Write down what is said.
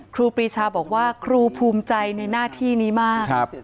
ครูปีชาบอกว่าครูภูมิใจในหน้าที่นี้มาก